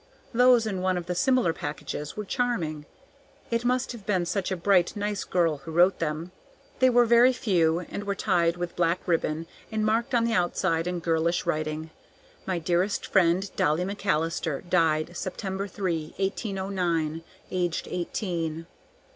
Those in one of the smaller packages were charming; it must have been such a bright, nice girl who wrote them! They were very few, and were tied with black ribbon, and marked on the outside in girlish writing: "My dearest friend, Dolly McAllister, died September 3, 1809, aged eighteen."